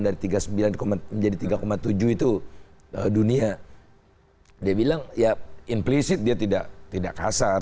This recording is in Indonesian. pertemuan dari tiga puluh sembilan komentar menjadi tiga tujuh itu dunia dia bilang yap implicit dia tidak tidak kasar